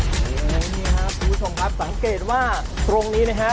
นี่ครับคุณผู้ชมครับสังเกตว่าตรงนี้นะฮะ